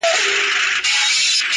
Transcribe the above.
چي پر زړه مي د غمونو غوبل راسي!